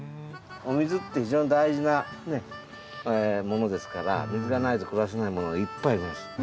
お水って非常に大事なものですから水がないと暮らせないものがいっぱいいます。